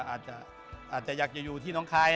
อาจจะอยากจะอยู่ที่น้องคาย